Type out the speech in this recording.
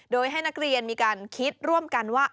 โดยให้นักเรียนมีการคิดร่วมกันว่า